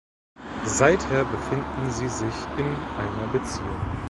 Seither befinden sie sich in einer Beziehung.